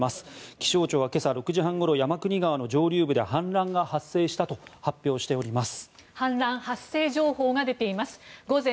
気象庁は今朝６時半ごろ山国川の上流部で氾濫が発生したと発表しております。